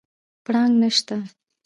پړانګ نشته